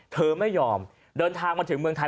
เธอไม่ยอมเดินทางมาถึงเมืองไทย